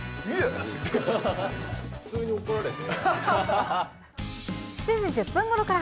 普通に怒られて。